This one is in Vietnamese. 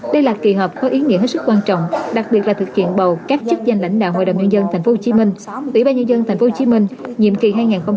đây là kỳ họp có ý nghĩa hết sức quan trọng đặc biệt là thực hiện bầu các chức danh lãnh đạo hội đồng nhân dân tp hcm ủy ban nhân dân tp hcm nhiệm kỳ hai nghìn một mươi sáu hai nghìn hai mươi một